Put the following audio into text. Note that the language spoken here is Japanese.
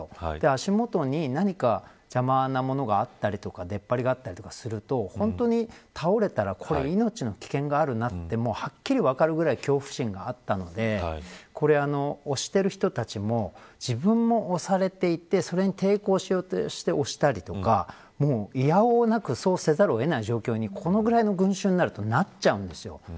足元に何か邪魔なものがあったりとか出っ張りがあったりすると倒れたら命の危険があるなとはっきりと分かるぐらい恐怖心があったので押している人たちも自分も押されていて、それに抵抗しようとして押したりいやおうなくそうせざるを得ない状況にこのぐらいの群衆になるとなっちゃうんです。